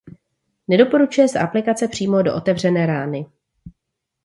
Nedoporučuje se aplikace přímo do otevřené rány.